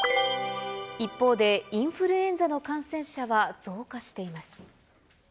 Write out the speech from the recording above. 一方で、インフルエンザの感染者は増加しています。